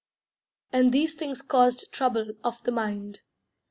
And these things caused trouble of the mind.